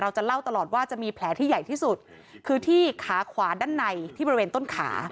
จะเล่าตลอดว่าจะมีแผลที่ใหญ่ที่สุดคือที่ขาขวาด้านในที่บริเวณต้นขา